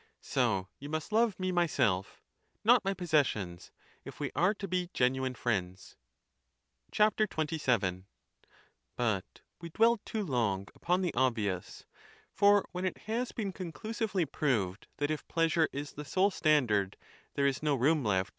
So you must love me myself, not my possessions, if we are to be genuine friends. XXVII. But we dwell too long upon the obvious. Not tni. For when it has been conclusively pi^oved that if JJjfi^J^ pleasure is the sole standard there is no room lefl h^ppy.